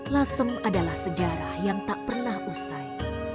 lasem adalah sejarah yang tak pernah usai